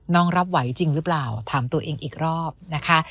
รับไหวจริงหรือเปล่าถามตัวเองอีกรอบนะคะ